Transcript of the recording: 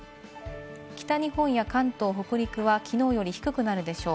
北日本や関東、北陸はきのうより低くなるでしょう。